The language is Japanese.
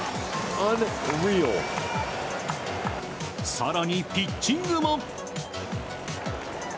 更にピッチングも。